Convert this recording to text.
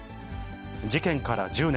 事件から１０年。